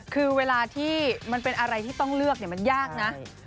คือเวลาที่มันเป็นอะไรที่ต้องเลือกมันยากนะ